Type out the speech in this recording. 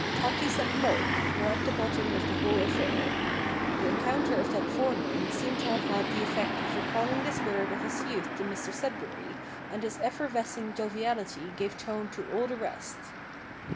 "Tatties and mulk" were at the bottom of the whole affair. The encounter of that forenoon seemed to have had the effect of recalling the spirit of his youth to Mr Sudberry, and his effervescing joviality gave tone to all the rest.